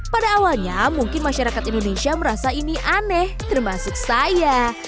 pada awalnya mungkin masyarakat indonesia merasa ini aneh termasuk saya